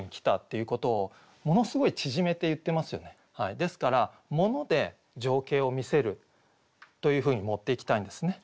ですから「モノで情景を見せる」というふうに持っていきたいんですね。